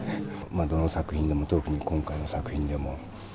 どの作品でも特に今回の作品でも。